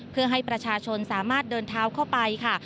เพื่อให้ประชาชนสามารถเดินเท้าเข้าไปค่ะ